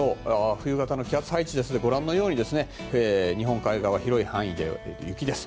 冬型の気圧配置ですがご覧のように日本海側は広い範囲で雪です。